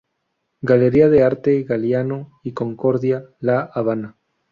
Galería de Arte, Galiano y Concordia, La Habana.